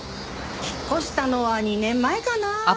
引っ越したのは２年前かな。